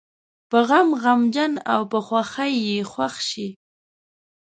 په غم غمجن او په خوښۍ یې خوښ شي.